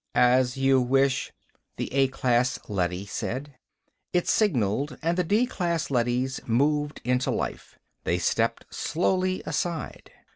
"As you wish," the A class leady said. It signaled and the D class leadys moved into life. They stepped slowly aside.